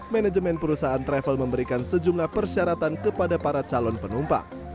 manajemen perusahaan travel memberikan sejumlah persyaratan kepada para calon penumpang